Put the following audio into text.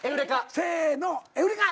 せのエウレカ！